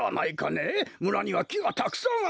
村にはきがたくさんあるんだ。